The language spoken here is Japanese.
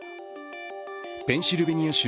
ペンシルベニア州